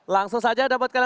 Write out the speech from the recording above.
langsung saja dapet si bang pen